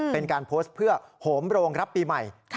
เป็นการโพสต์เพื่อโหมโรงรับปีใหม่